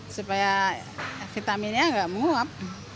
supaya vitaminnya nggak muap